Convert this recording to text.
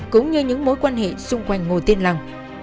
cũng như những mối quan hệ xung quanh ngô tiến long